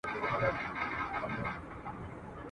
یو انار او سل بیمار !.